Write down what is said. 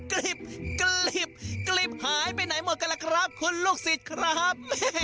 กลิบหายไปไหนหมดกันครับคุณลูกสิตครับ